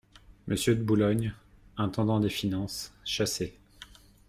Monsieur de Boulogne, intendant des finances, chassé.